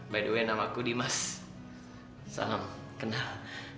by the way nama aku dimas salam kenal